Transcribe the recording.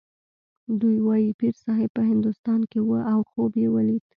دوی وايي پیرصاحب په هندوستان کې و او خوب یې ولید.